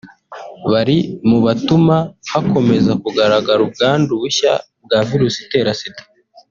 bari mu batuma hakomeza kugaragara ubwandu bushya bwa Virusi itera Sida